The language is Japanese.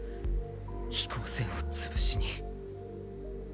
飛行船を潰しに。